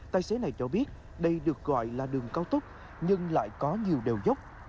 tài xế này cho biết đây được gọi là đường cao tốc nhưng lại có nhiều đều dốc